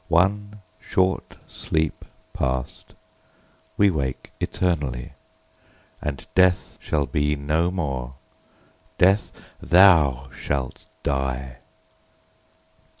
One short sleep past, we wake eternally, And Death shall be no more: Death, thou shalt die!